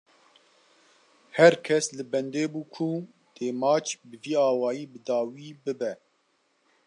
Her kes li bendê bû ku dê maç, bi vî awayî bi dawî bibe